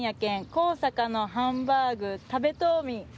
「高坂のハンバーグ食べとおみ！」